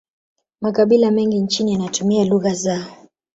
makabila mengi nchini yanatumia lugha zao